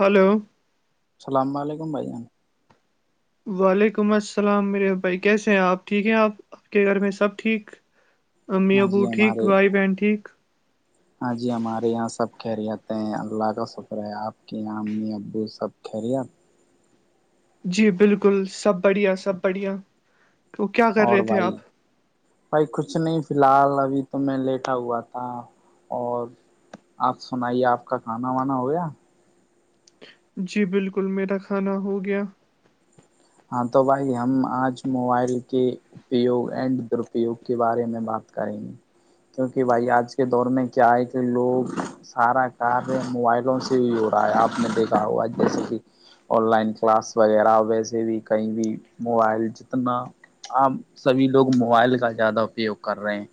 hello السلام علیکم بھائی جان وعلیکم السلام میرے بھائی کیسے ہیں آپ ٹھیک ہیں آپ آپ کے گھر میں سب ٹھیک امی ہاں جی ابو ٹھیک ہمارے بھائی بہن ٹھیک ہاں جی ہمارے یہاں سب خیریت ہیں اللہ کا شکر ہے آپ کے یہاں امی ابو سب خیریت جی بالکل سب بڑھیا سب بڑھیا تو کیا کر اور رہے تھے بھائی آپ بھائی کچھ نہیں فی الحال ابھی تو میں لیٹا ہوا تھا اور آپ سنائیے آپ کا کھانا وانا ہو گیا جی بالکل میرا کھانا ہو گیا ہاں تو بھائی ہم آج موبائل کی اپیوگ اینڈ درپیوگ کے بارے میں بات کریں گے کیونکہ بھائی آج کے دور میں کیا ہے کہ لوگ سارا کاریہ موبائلوں سے ہی ہو رہا ہے آپ نے دیکھا ہوا جیسے کہ آن لائن کلاس وغیرہ ویسے بھی کہیں بھی موبائل جتنا آپ سبھی لوگ موبائل کا زیادہ اپیوگ کر رہے ہیں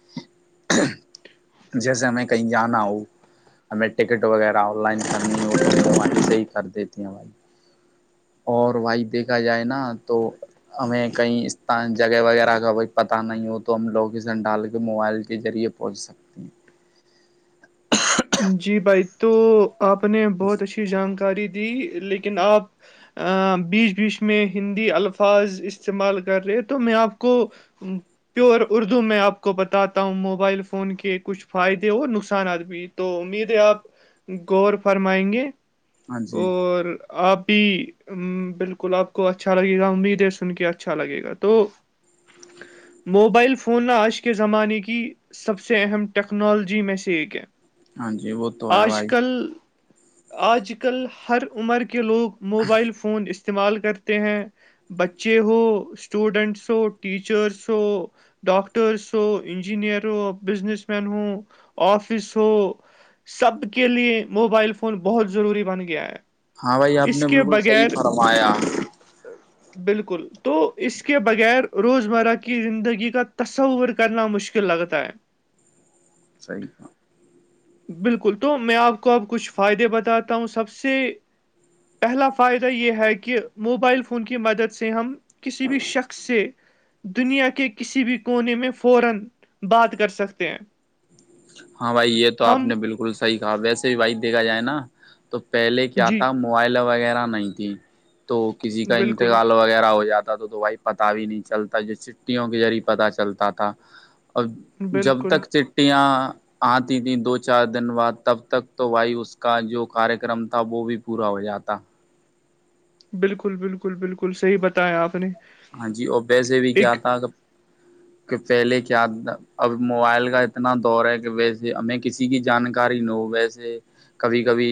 جیسے میں کہیں جانا ہو ہمیں ٹکٹ وغیرہ آن لائن کرنی ہوتی توائیں سے ہی کر دیتی ہیں ہماری اور وھائی دیکھا جائے نا تو ہمیں کہیں اسان جگہ وغیرہ کائی پت نہیں ہو تو ہم لوکیشن ڈال کے موبائل کے ریعے پہنچ سکتے ہیں جی بھائی تو آپ نے بہت اچھی جانکاری دی لیکن آپ بیچ بیچ میں ہندی الفاظ استعمال کر رہے تو میں آپ کو ہوں پیور اردو میں آپ کو بتاتا ہوں موبائل فون کے کچھ فائدے اور نقصانات بھی تو امید ہے آپ غور فرمائیں گے ہاں جی اور آپی بالکل آپ کو اچھا لگے گا امیدیں سن کے اچھا لگے گا تو موبائل فون نہ آج کے زمانے کی سب سے اہم ٹیکنالوجی میں سے ایک ہے [unintelligible] آج کل آج کل ہر عمر کے لوگ موبائل فون استعمال کرتے ہیں بچے ہو اسٹوڈینٹس ہو ٹیچرس ہو ڈاکٹرس ہو انجینئر ہو بزنس مین ہو آفس ہو تو سب کے لیے موبائل فون بہت ضروری بن گیا ہے ہاں بھائی آپ اس نے کے بالکل صحیح بغیر فرمایا [inaudible] بالکل تو اس کے بغیر روزمرہ کی زندگی کا تصور کرنا مشکل لگتا ہے صحیح کا [unintelligible] بالکل تو میں آپ کو اب کچھ فائدے بتاتا ہوں سب سے پہلا فائدہ یہ ہے کہ موبائل فون کی مدد سے ہم کسی بھی شخص سے دنیا کے کسی بھی کونے میں فورا بات کر سکتے ہیں ہاں بھائی یہ تو آپ ہم نے بالکل صحیح کہا ویسے بھی بھائی دیکھا جائے نا تو پہلے کیا جی تھا موبائل وغیرہ نہیں تھی تو کسی کا بالکل انتقال وہ وغیرہ ہو جاتا تو تو بھائی پتتا بھی نہیں چلتا جو چھٹیوں کے ذریع پتا چلتا تھا اب جب بالکل تک چٹیاں آتی تھیں دو چار دن بعد تب تک تو بھائی اس کا جو کارکرم تھا وہ بھی [unintelligible] پورا ہو جاتا بالکل بالکل بالکل صحیح بتایا آپ نے ہاں جی اور ویسے بھی کیا تھا ا [unintelligible] ہاں [unintelligible] کہ پہلے کیا اب موبائل کا اتنا دور ہے کہ ویسے ہمیں کسی ک کی جانکاری نو ویسے کبھی کبھی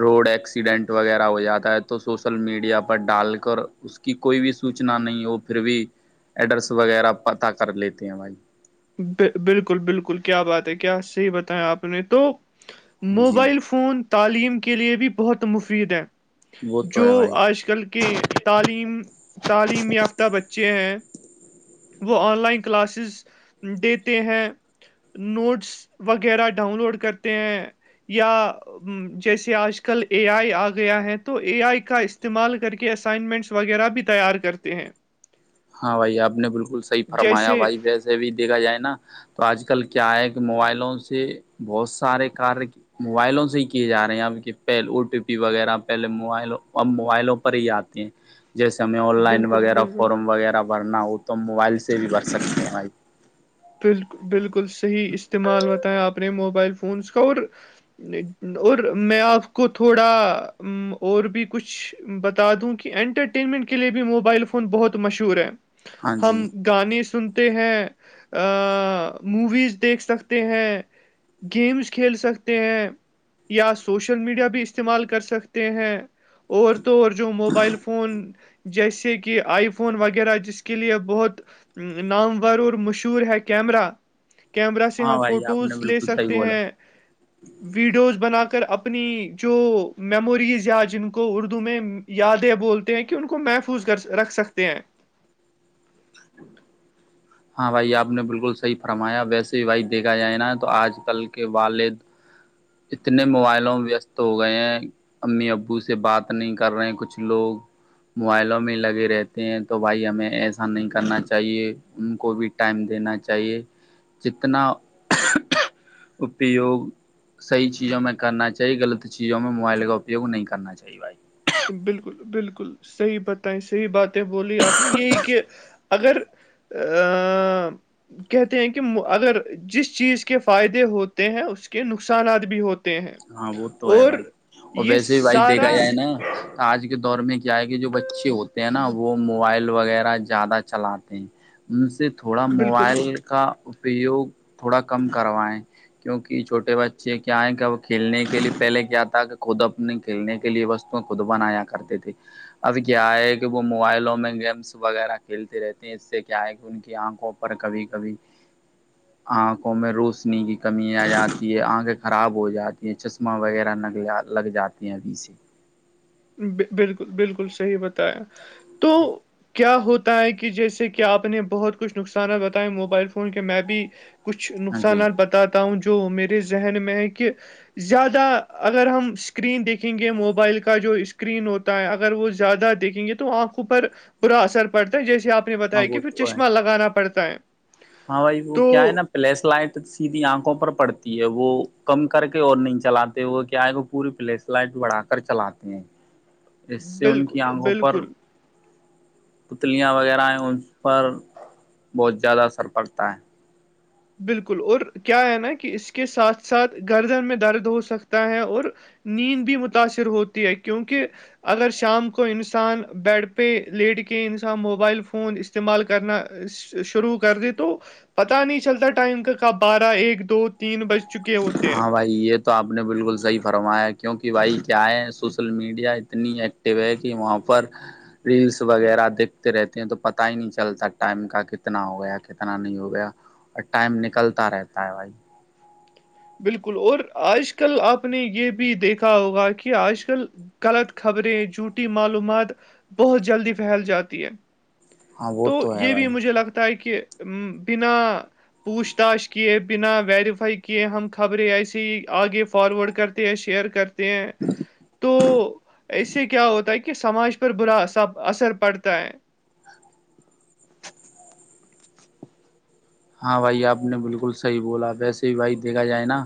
روڈ ایکسیڈنٹ وغیرہ ہو جاتا ہے تو سوشل میڈیا پر ڈال کر اس کی کوئی بھی سوچنا نہیں ہو پھر بھی ایڈرس وغیرہ پتا کر لیتے ہیں بھائی بالکل بالکل کیا بات ہے کیا صحیح بتیایں آپ نے تو جی موبائل فون تعلیم کے لیے بھی بہت مفید ہے وہ تو جو ہے بھائی آج کل کے تعلیم تعلیم یافتہ بچے ہیں وہ آن لائن کلاسز دیتے ہیں نوٹس وغیرہ ڈاؤن لوڈ کرتے ہیں یا جیسے آج کل اے آئی آ گیا ہے تو اے آئی کا استعمال کر کے اسائنمنٹس وغیرہ بھی تیار کرتے ہیں ہاں بھائی آپ نے بالکل صحیح فرمایا جیسے بھائی ویسے بھی دیکھا جائے نا [unintelligible] تو آج کل کیا ہے کہ موبائلوں سے بہت سارے کار موبائلوں سے ہی کیے جا رہے ہیں اب پہ او ٹی پی وغیرہ پہلے موائل اب موبائلوں پر ہی آتے کہ [unintelligible] جیسے ہمیں آن لائن بالکل وغیرہ بالکل فارم وغیرہ بھرنا ہو تو ہم موبائل سے بھی بھر سکتے ہیںائی بالکل بالکل صحیح استعمال ہوتا ہے آپ نے موبائل فونس کا اور [unintelligible] اور میں آپ کو تھوڑا اور بھی کچھ بتا دوں کہ انٹرٹینمنٹ کے لیے بھی موبائل فون بہت مشہور ہے ہاں جی ہم گانے سنتے ہیں موویز دیکھ سکتے ہیں گیمس کھیل سکتے ہیں یا سوشل میڈیا بھی استعمال کر سکتے ہیں اورور طور جو موبائل فون [unintelligible] جیسے کہ آئی فون وغیرہ جس کے لیے بہت نامور اور مشکل ور ہے کیمرا کیمرا سے ہم ہاں بھائی آپ نے فوٹوز لے بالکل صحیح سکتے بولا ہیں ویڈیوز بنا کر اپنی جو میموریز یا جن کو اردو میں یادیں بولتے ہیں کہ ان کو محفوظ کر رکھ سکتے ہیں [inaudible] ہاں بھائی آپ نے بالکل صحیح فرمایا ویسے ہی بھائی دیکھا جائے نا تو آج کل کے والد اتنے موبائلوں وست ہو گئے ہیں امی ابو سے بات نہیں کر رہے کچھ لوگ موبائلوں میں لگے رہتے ہیں تو بھائی ہمیں ایسا نہیں کرنا چاہیے ان کو بھی ٹائم دینا چاہیے جتنا اپیوگ صحی چیزوں میں کرنا چاہی غلط چیزوں میں موبائل کا اپیوگ نہیں کرنا چاہیے بھائی بالکل بالکل صحیح بتائیں صحیح باتیں بولی آپ نے یہی کہ اگر ا کہتے ہیں کہ اگر جس چیز کے فائدے ہوتے ہیں اس کے نقصانات بھی ہو ہاں وہ تو ہے بھائی اور یہ ویسے بھی بھائی سارا دیکھا جائے نا آج کے دور میں کیا ہے کہ جو بچے ہوتے ہیں نا وہ موبائل وغیرہ زیادہ چلاتے ہیں ان سے تھوڑا بالکل موبائل کا اپیوگ تھوڑا کم کروائیں کیونک چھوٹے بچے کیائ کب [unintelligible] کھیلنے کے لیے پہلے کیا تھا کہ خود اپنے کھیلنے کے لیے وو خود بنایا کرتی تھے ابھی کیا ہے کہ وہ موبائلوں میں گیمس وغیرہ کھیلتے رہتے ہیں اس سے کیا ہے کہ ان کی آنکھوں پر کبھی کبھی آنکھوں میں روشنی کی کمی آ جاتی ہے آنکھیں خراب ہو جاتی یہ چشمہ وغیرہ نگ لگ جاتے ہیں ابھی سے بالکل بالکل صحیح بتایا تو کیا ہوتا ہے کہ جیسے کہ آپ نے بہت کچھ نقصانات بتائے موبائل فون کے میں بھی کچھ ہاں جی نقصانات بتاتا ہوں جو میرے ذہن میں ہے کہ زیادہ اگر ہم اسکرین دیکھیں گے موبائل کا جو اس اسکرین ہوتا ہے اگر وہ زیادہ دیکھیں گے تو آنکھوں پر برا اثر پڑتا ہے جیسے آپ نے ہاں بتایا وہ کہ پھر تو ہے چشمہ لگانا پڑتا ہے ہاں بھائی وہ تو کیا ہے نا پلیس لائٹ سیدھی آنکھوں پر پڑتی ہے وہ کم کر کے اور نہیں چلاتے وہ کیا آئے گ وہ پوری پلیس فلائٹ بڑا کر چلاتے ہیں اس سے ان کی بالکل آنکھوں پر بالکل پتلیاں وغیرہ ہیں ان پر بہت زیادہ اثر پڑتا ہے بالکل اور کیا ہے نا کہ اس کے ساتھ ساتھ گردن میں درد ہو سکتا ہے اور نیند بھی متاثر ہوتی ہے کیونکہ اگر شام کو انسان بیڈ پہ لیٹ کے انسان موبائل فون استعمال کرنا شروع کر د تو پتا نہیں چلتا ٹائم کا کب بارہ ایک دو تین بج چکے ہوتے ہیں ہاں بھائی یہ تو آپ نے بالکل صحیح فرمایا کیوںکہ بھائی کیا ہے سوشل میڈیا اتنی ایک ہے کہ وہاں پر ریلس وغیرہ دیکھتے رہتے ہیں تو پتاہ ہی نہیں چلتا ٹائم کا کتنا ہو گیا کتنا نہیں ہو گیا اور ٹائم نکلتا رہتا ہے بھائی بالکل اور آج کل آپ نے یہ بھی دیکھا ہوگا کہ آج کل غلط خبریں جھوٹی معلومات بہت جلدی پھیل جاتی ہے ہاں وہ تو ہے یہ بھی بھائی مجھے لگتا ہے کہ بنا پوچھ تاچھ کیے بنا ویریفائی کیے ہم خبریں ایسے ہی آگے فارورڈ کرتے ہیں شیئر کرتے ہیں تو اس سے کیا ہوتا ہے کہ کہ سماج پر براا اثر پڑتا ہے ہاں بھائی آپ نے بالکل صحیح بولا ویسے ہی بھائی دیکھا جائے نا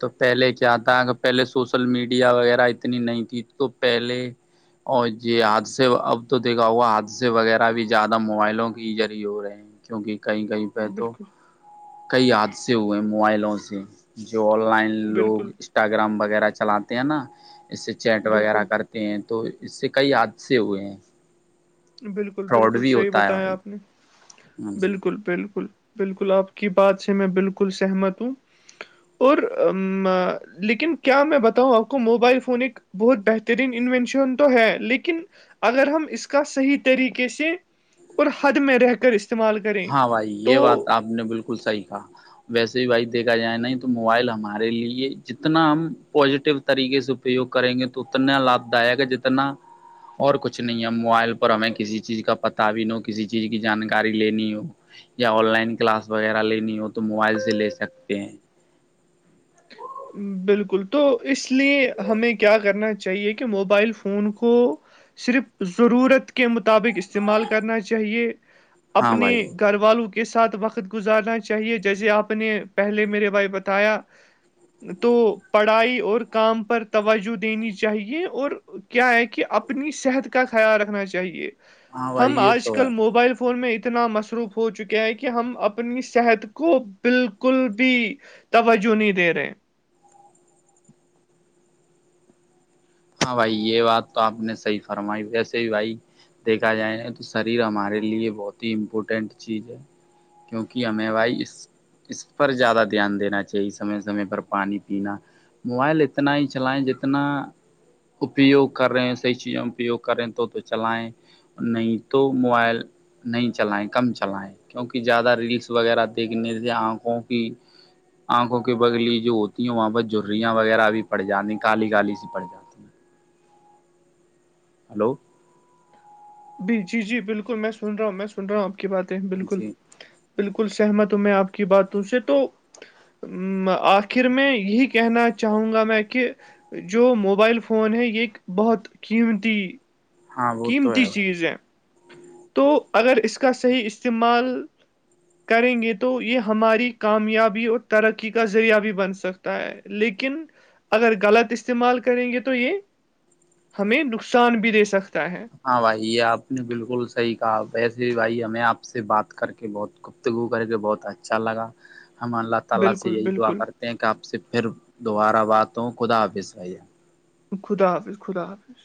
تو پہلے کیا تھا ا کہ پہلے سوشل میڈیا وغیرہ اتنی نہیں تھی تو پہلے اور یہی حادثے اب تو دیکھا ہوگا حادثے وغیرہ بھی زیادہ موبائلوں کے ہی ذریعے ہو رہے ہیں کیونکہ کئی کیں پہ تو بالکل کئی حادثے ہوئے موبائلوں سے جو آن لائن لوگ بالکل انسٹاگرام وغیرہ چلاتے ہیں نا اس سے چیٹ وغیرہ بالکل کرتے تے ہیں تو اس سے کئی حادثے ہوئے ہیں بالکل فراڈ بالکل بھی صحیح ہوتا ہے بتایا بھائی آپ نے ہاں جی بالکل بالکل بالکل آپ کی بات سے میں بالکل سہمت ہوں اور لیکن کیا میں بتاؤں آپ کو موبائل فون ایک بہت بہترین انوینشن تو ہے لیکن اگر ہم اس کا صحیح طریقے سے اور حد میں رہ کر اس ہاں بھائی یہ بات آپ نے بالکل صحی کہا ویسے ہی بھائی دیکھا جائے نہیں تو موبائل ہمارے لیے جتنا ہم پزیٹو طریقے سے اپیوگ کریں گے تو اتنا لابھ دائک ہے جتنا اور کچھ نہیں ہے موبائل پر ہمیں کسی چیز کا پتا بھی نو کسی چیز کی جانکاری لینی ہو یا آن لائن کلاس وغیرہ لینی ہو تو موبائل سے لے سکتے ہیں بالکل تو اس لیے ہمیں کیا کرنا چاہیے کہ موبائل فون فون کو صرف ضرورت کے مطابق استعمال کرنا چاہیے ہاں اپنے بھائی گھر والو کے ساتھ وقت گزارنا چاہیے جیسے آپ نے پہلے میرے بھائی بتایا تو پڑھائی اور کام پر توجہ دینی چاہیے اور کیا ہے کہ اپنی صحت کا خیال رکھنا چاہیے ہاں بھائی ہم یہ آج تو کل ہے موبائل فون میں اتنا مسور روف ہو چکے ہے کہ ہم اپنی صحت کو بالکل بھی توجہ نہیں دے رہے ہاں بھائی یہ بات تو آپ نے صحیح فرمائی ویسے ہی بھائی دیکھا جائے گا تو شریر ہمارے لیے بہت ہی امپورٹینٹ چیز ہے کیونکہ ہمیں بائی اس اس پر زیادہ دھیان دینا چاہیے سمے سمے پر پانی پینا موبائل اتنا ہی چلائیں جتنا اپیوگ کر رہے ہیں صحیح چیز اپیوگ کر رہے ہیں تو تو چلائیں نہیں تو موبائل نہیں چلائیں کم چلائیں کیونکہ زیادہ ریلس وغیرہ دیکھنے سے آنکھوں کی آنکھوں کی بگلی جو ہوتی ہے وہاں پر جریاں وغیرہ بھی پڑ جاتی کالی کالی سی پڑ جاتی [inaudible] ہلو جی جی بالکل میں سن رہا ہوں میں سن رہا ہوں آپ کی باتیں بالکل جی بالکل سہمت ہوں میں آپ کی باتوں سے تو آخر میں یہی کہنا چاہوں گا میں کہ جو موبائل فون ہے یہ ایک بہت قیمتی ہاں وہ تو قیمتی ہے بھائی چیزیں تو اگر اس کا صحیح استعمال کریں گے تو یہ ہماری کامیابی اور ترقی کا ذریعہ بھی بن سک ہے لیکن اگر غلط استعمال کریں گے تو یہ ہمیں نقصان بھی دے سکتا ہے ہاں بھائی یہ آپ نے بالکل صحیح کہا ویسے ہی بھائی ہمیں آپ سے بات کر کے بہت گفتگو کر کے بہت اچھا لگا ہم اللہ بالکل یہی دعا بالکل کرتے ہیں کہ اپ سے پھر دوبارہ بات ہوں خدا حافظ خدا حافظ خدا حافظ